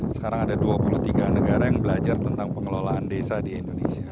sekarang ada dua puluh tiga negara yang belajar tentang pengelolaan desa di indonesia